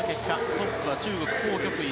トップは中国、ホウ・キョクイ。